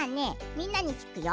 みんなにきくよ。